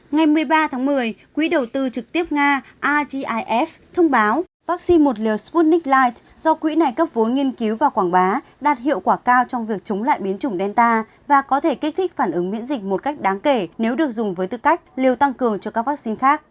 ngày một mươi ba tháng một mươi quỹ đầu tư trực tiếp nga agif thông báo vaccine một liều sputnik light do quỹ này cấp vốn nghiên cứu và quảng bá đạt hiệu quả cao trong việc chống lại biến chủng delta và có thể kích thích phản ứng miễn dịch một cách đáng kể nếu được dùng với tư cách liều tăng cường cho các vaccine khác